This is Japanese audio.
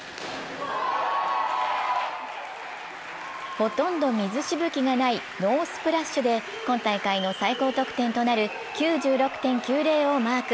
ほとんど水しぶきがないノースプラッシュで今大会の最高得点となる９６．９０をマーク。